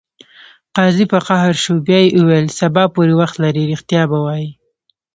قاضي په قهر شو بیا یې وویل: سبا پورې وخت لرې ریښتیا به وایې.